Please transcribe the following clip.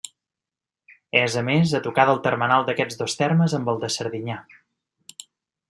És, a més, a tocar del termenal d'aquests dos termes amb el de Serdinyà.